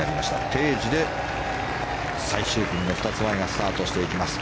定時で最終組の２つ前がスタートしていきます。